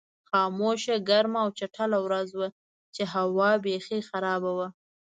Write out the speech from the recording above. خاموشه، ګرمه او چټله ورځ وه چې هوا بېخي خرابه وه.